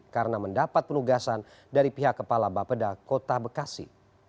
karena mendapat penugasan dari pihak kepala bapeda kota bekasi